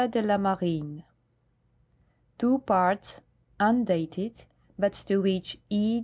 de la Marine," two parts, undated, but to which E.